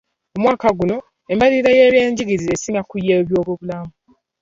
Omwaka guno, embalirira y'ebyenjigiriza esinga ku y'ebyobulamu.